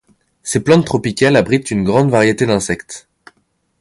Ces plantes tropicales abritent une grande variété d'insectes.